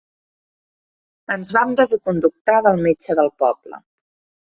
Ens vam desaconductar del metge del poble.